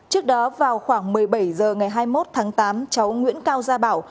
trước đó vào khoảng một mươi bảy h ngày hai mươi một tháng tám cháu nguyễn cao gia bảo